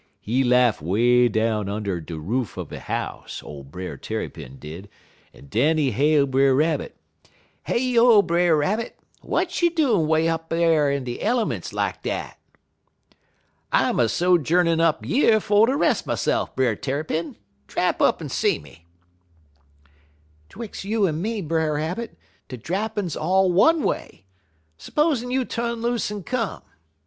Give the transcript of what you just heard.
He laugh 'way down und' de roof er he house, ole Brer Tarrypin did, en den he hail Brer Rabbit: "'Heyo, Brer Rabbit! W'at you doin' 'way up in de elements lak dat?' "'I'm a sojourneyin' up yer fer ter res' myse'f, Brer Tarrypin. Drap up en see me.' "''Twix' you en me, Brer Rabbit, de drappin' 's all one way. S'posin' you tu'n loose en come.